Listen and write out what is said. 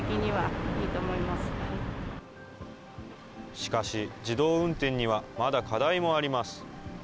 しかし、自動運転にはまだ課題もあります。